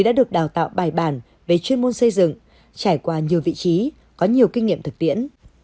đã được đào tạo bài bản về chuyên môn xây dựng trải qua nhiều vị trí có nhiều kinh nghiệm thực tiễn